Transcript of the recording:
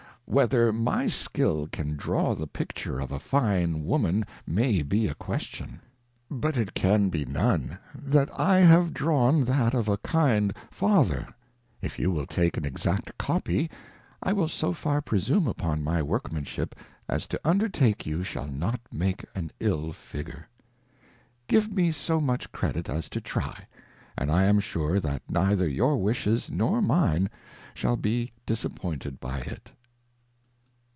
Whether my skill can draw the Picture of a fine Woman, may be a question : but it can be none. That I have drawn that of a kind Father : If you will take an exact Copy, I will so far presume upon my workmanship, as to undertake you shall not make an ill Figure. Give me so much Credit as to try, and I am sure that neither your Wishes nor mine shall be disappointed by it.